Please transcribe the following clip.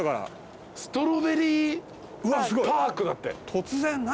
突然何？